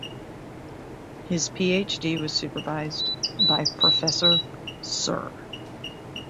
His PhD was supervised by Professor Sir.